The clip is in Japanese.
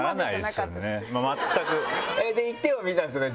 行ってはみたんですよね？